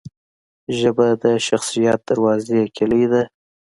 ژبه د شخصیت دروازې کلۍ ده